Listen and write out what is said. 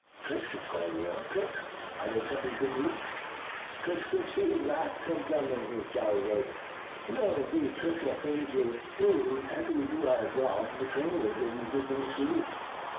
"Tricks!" exclaimed Nero. "Tricks? Are they something good to eat?" "Tricks good to eat!" laughed Tum Tum in his jolly voice. "No indeed! Tricks are things you do. But often, after we do ours well, the trainer gives us good things to eat."